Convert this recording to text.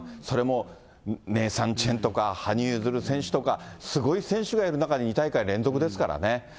それも、ネイサン・チェンとか、羽生結弦選手とか、すごい選手がいる中、２大会連続ですからね。